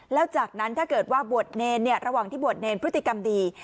แล้วจากนั้นถ้าเกิดว่าบวชเนรระหว่างที่บวชเนรพฤติกรรมดี